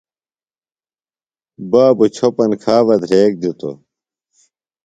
بابُوۡ چھوۡپن کھا بہ دھریک دِتوۡ